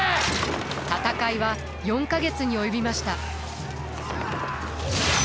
戦いは４か月に及びました。